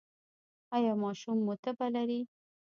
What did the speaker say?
ایا ماشوم مو تبه لري؟